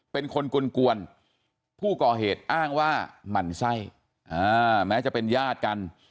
เป็นคนกวนผู้ก่อเหตุอ้างว่าหมั่นไส้แม้จะเป็นญาติกัน